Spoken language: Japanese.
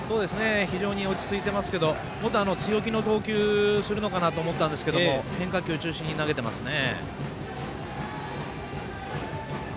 非常に落ち着いていますけど強気の投球するのかなと思ったんですけど変化球中心に投げてますね。